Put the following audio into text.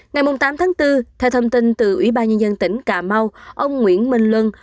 ngày tám tháng bốn theo thông tin từ ủy ban nhân dân tỉnh cà mau ông nguyễn minh luân